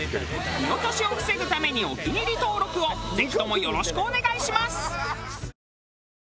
見落としを防ぐためにお気に入り登録をぜひともよろしくお願いします！